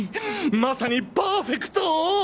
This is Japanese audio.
まさにパーフェクト！